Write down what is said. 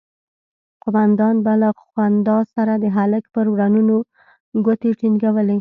قومندان به له خندا سره د هلک پر ورنونو گوتې ټينگولې.